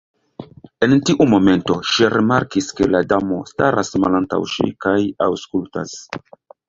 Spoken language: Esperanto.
En tiu momento ŝi rimarkis ke la Damo staras malantaŭ ŝi kaj aŭskultas.